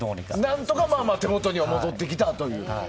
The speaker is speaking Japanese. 何とか手元には戻ってきたという。